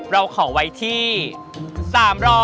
เราขอไว้ที่๓๒๐ค่ะ